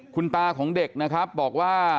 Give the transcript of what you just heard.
คุณตาของเด็กนะครับบอกว่า